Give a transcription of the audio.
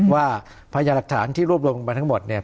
พยายามหลักฐานที่รวบรวมมาทั้งหมดเนี่ย